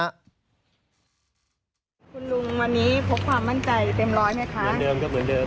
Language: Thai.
คุณลุงวันนี้พบความมั่นใจเต็มร้อยไหมคะ